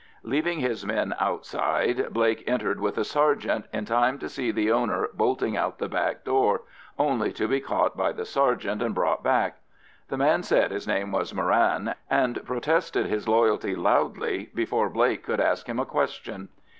Leaving his men outside, Blake entered with a sergeant, in time to see the owner bolting out of the back door, only to be caught by the sergeant and brought back. The man said his name was Moran, and protested his loyalty loudly before Blake could ask him a question.